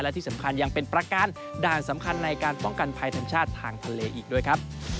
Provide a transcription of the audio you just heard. และที่สำคัญยังเป็นประกันด่านสำคัญในการป้องกันภัยธรรมชาติทางทะเลอีกด้วยครับ